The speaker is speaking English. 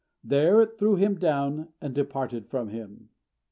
There it threw him down, and departed from him.